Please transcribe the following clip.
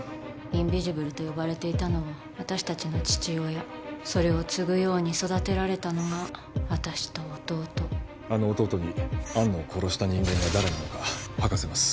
インビジブルと呼ばれていたのは私達の父親それを継ぐように育てられたのが私と弟あの弟に安野を殺した人間が誰なのか吐かせます